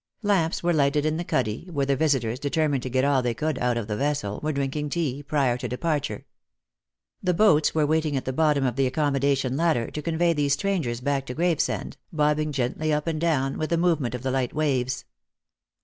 Lamps were lighted in the cuddy, where the visitors, determined to get all they could out of the vessel, were drinking tea, prior to depar ture. The boats were waiting at the bottom of the accommoda tion ladder to convey these strangers back to Gravesend, bobbing gently up and down with the movement of the light waves.